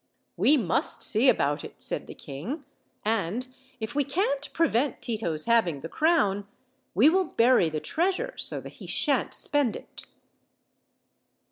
"We must see about it," said the king, "and, if we can't prevent Tito's having the crown, we will bury the treasure so that he shan't spend it."